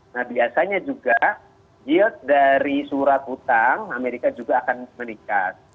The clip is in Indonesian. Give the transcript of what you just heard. nah biasanya juga yield dari surat utang amerika juga akan meningkat